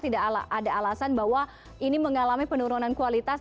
tidak ada alasan bahwa ini mengalami penurunan kualitas